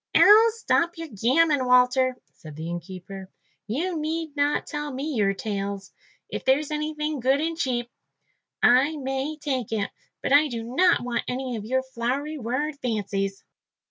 "Oh, stop your gammon, Walter," said the innkeeper. "You need not tell me your tales. If there's anything good and cheap, I may take it, but I do not want any of your flowery word fancies."